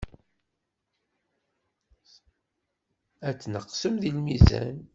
Ad tneqsem deg lmizan.